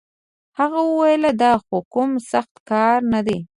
هغه وويل دا خو کوم سخت کار نه دی.